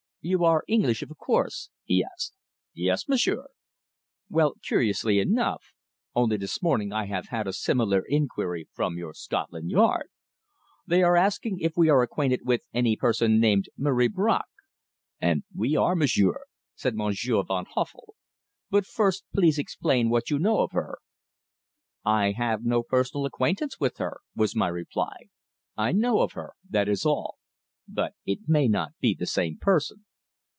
"You are English, of course?" he asked. "Yes, m'sieur." "Well, curiously enough, only this morning I have had a similar inquiry from your Scotland Yard. They are asking if we are acquainted with any person named Marie Bracq. And we are, m'sieur," said Monsieur Van Huffel. "But first please explain what you know of her." "I have no personal acquaintance with her," was my reply. "I know of her that is all. But it may not be the same person."